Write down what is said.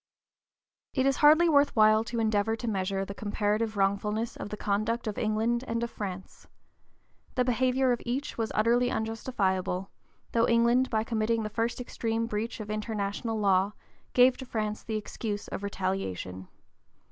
It is hardly worth while to endeavor to measure the comparative wrongfulness of the conduct of England and of France. The behavior of each was utterly unjustifiable; though England by committing the first extreme breach of international law gave to France the excuse of retaliation.